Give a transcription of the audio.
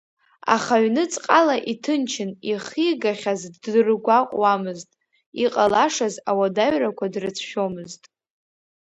Аха ҩныҵҟала иҭынчын, ихигахьаз ддыргәаҟуамызт, иҟалашаз ауадаҩрақәа дрыцәшәомызт.